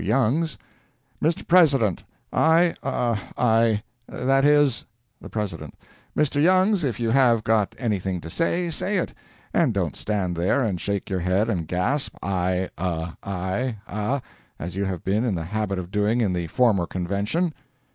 Youngs—"Mr. President: I, ah—I—that is—" The President—"Mr. Youngs, if you have got anything to say, say it; and don't stand there and shake your head and gasp 'I—ah, I—ah,' as you have been in the habit of doing in the former Convention."